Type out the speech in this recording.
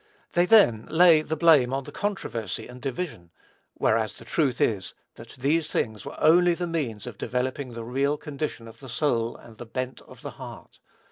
They then lay the blame on the controversy and division, whereas the truth is, that these things were only the means of developing the real condition of the soul, and the bent of the heart.